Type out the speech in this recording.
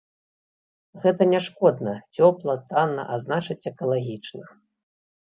Гэта няшкодна, цёпла, танна, а значыць, экалагічна.